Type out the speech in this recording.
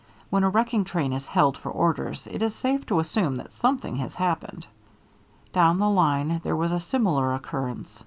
When a wrecking train is held for orders, it is safe to assume that something has happened. Down the line there was a similar occurrence.